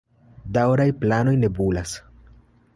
Daŭraj planoj nebulas.